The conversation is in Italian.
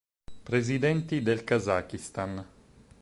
Presidenti del Kazakistan